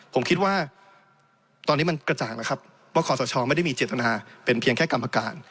ผมคิดว่าตอนนี้มันกระจ่างแล้วครับว่าขอสชไม่ได้มีเจตนาเป็นเพียงแค่กรรมการ